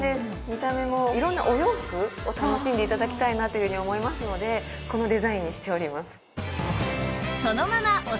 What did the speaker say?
見た目も色んなお洋服を楽しんで頂きたいなというふうに思いますのでこのデザインにしております。